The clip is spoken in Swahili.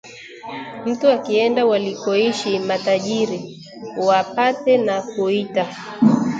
mtu akienda walikoishi matajiri wa Pate na kuita